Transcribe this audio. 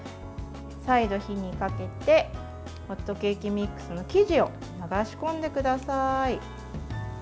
再度、火にかけてホットケーキミックスの生地を流し込んでください。